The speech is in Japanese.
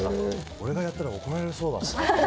俺がやったら怒られそうだな。